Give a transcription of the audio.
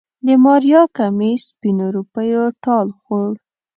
د ماريا کميس سپينو روپيو ټال خوړ.